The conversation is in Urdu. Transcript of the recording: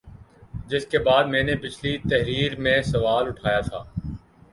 جس کے بعد میں نے پچھلی تحریر میں سوال اٹھایا تھا